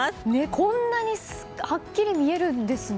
こんなにはっきり見えるんですね。